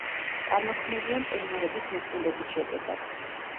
წარმოქმნილია მყინვარების მოქმედების შედეგად.